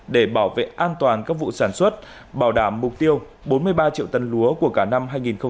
để bảo vệ an toàn các vụ sản xuất bảo đảm mục tiêu bốn mươi ba triệu tân lúa của cả năm hai nghìn hai mươi